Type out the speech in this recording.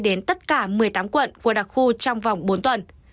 đến tất cả một mươi tám quận của đặc khu trong vòng bốn tuần